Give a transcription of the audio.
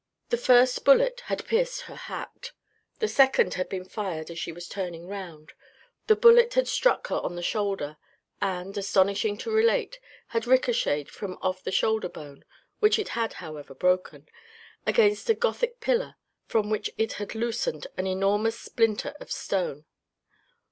The first bullet had pierced her hat. The second had been fired as she was turning round. The bullet had struck her on the 3° 466 THE RED AND THE BLACK shoulder, and, astonishing to relate, had ricocheted from off the shoulder bone (which it had, however, broken) against a gothic pillar, from which it had loosened an enormous splinter of stone.